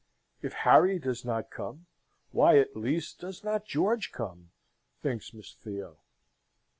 If Harry does not come, why at least does not George come? thinks Miss Theo.